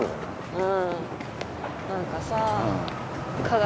うん何かさ科学